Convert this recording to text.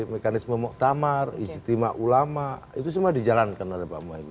mekanisme ha mohammad rusitima ulama itu semua dijalankan oleh pak moplir itu sebenernya seperti